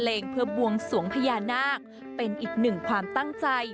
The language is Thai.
เพลงเพื่อบวงสวงพญานาคเป็นอีกหนึ่งความตั้งใจ